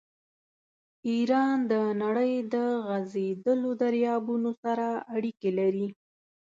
ایران د نړۍ د غځېدلو دریابونو سره اړیکې لري.